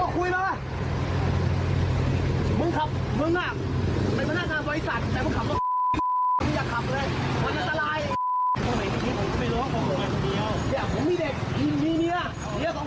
เพราะว่าประตูลเค้ามาน่ะเออทำไมขับรถอย่างนี้ปากห้า